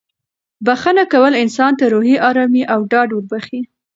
بښنه کول انسان ته روحي ارامي او ډاډ وربښي.